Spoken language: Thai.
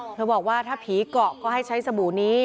บอกว่าถ้าผีเกาะก็ให้ใช้สบู่นี้